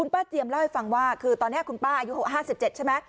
ป้าเจียมเล่าให้ฟังว่าคือตอนนี้คุณป้าอายุหกห้าสิบเจ็ดใช่ไหม